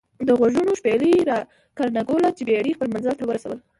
دغوږونو شپېلۍ را کرنګوله چې بېړۍ خپل منزل ته ورسول.